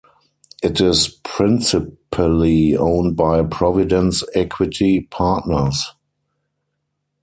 It is principally owned by Providence Equity Partners.